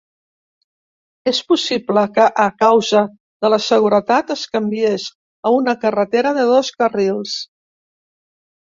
És possible que a causa de la seguretat es canviés a una carretera de dos carrils.